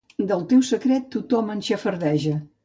Del teu secret, tothom en xafardeja.